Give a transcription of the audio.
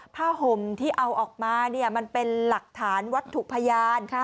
ห่มที่เอาออกมามันเป็นหลักฐานวัตถุพยาน